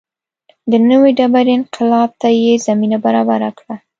د نوې ډبرې انقلاب ته یې زمینه برابره کړه.